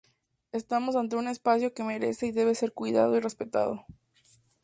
Estamos ante un espacio que merece y debe ser cuidado y respetado.